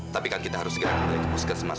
tapi kan kita harus segera kembali ke puskesmas